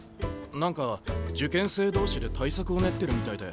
何か受験生同士で対策を練ってるみたいで。